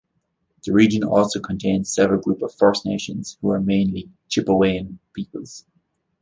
The region also contains several groups of First Nations, who are mainly Chipewyan peoples.